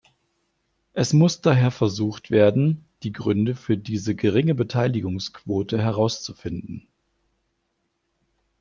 Es muss daher versucht werden, die Gründe für diese geringe Beteiligungsquote herauszufinden.